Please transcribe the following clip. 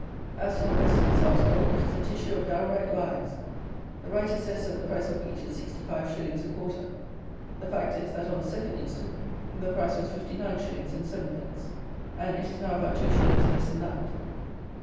As to the rest of this article, it is a tissue of downright lies. The writer says that the price of wheat is sixty five shillings a quarter. The fact is that, on the second instant, the price was fifty nine shillings and seven pence: and it is now about two shillings less than that.